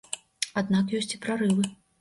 Аднак ёсць і прарывы.